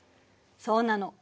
そうなの。